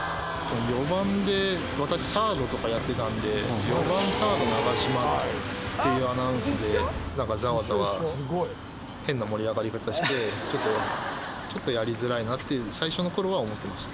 ４番で私、サードとかやってたんで、４番サード、ながしまっていうアナウンスで、なんかざわざわ、変な盛り上がり方して、ちょっとやりづらいなって、最初のころは思ってました。